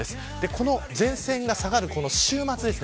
この前線が下がる週末です。